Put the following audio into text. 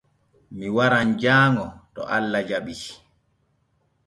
Mi waran jaaŋo to Allah jaɓii.